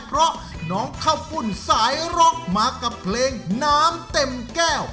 เพราะน้องข้าวปุ่นสายร็อกมากับเพลงน้ำเต็มแก้ว